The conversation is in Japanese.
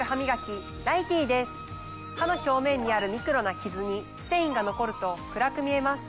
歯の表面にあるミクロなキズにステインが残ると暗く見えます。